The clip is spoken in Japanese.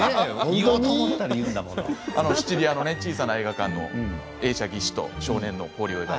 シチリアの小さな映画館の映写技師と少年の交流